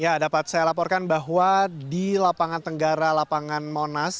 ya dapat saya laporkan bahwa di lapangan tenggara lapangan monas